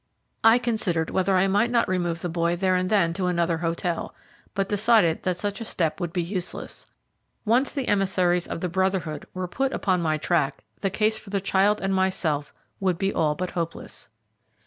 I considered whether I might not remove the boy there and then to another hotel, but decided that such a step would be useless. Once the emissaries of the Brotherhood were put upon my track the case for the child and myself would be all but hopeless.